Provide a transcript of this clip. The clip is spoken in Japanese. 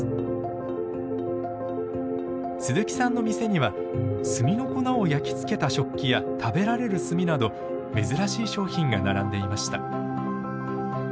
鈴木さんの店には炭の粉を焼き付けた食器や食べられる炭など珍しい商品が並んでいました。